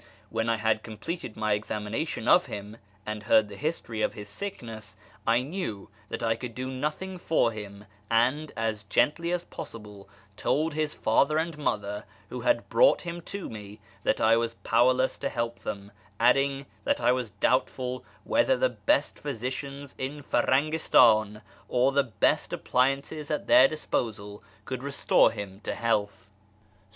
When I had completed my examination of him and heard the history of his sickness, I knew that I could do nothing for him, and, as gently as possible, told his father and mother, who had brought him to me, that I was powerless to help them, adding that I was doubtful whether the best physicians in Firangistan, with the best appliances at their disposal, could restore him to health.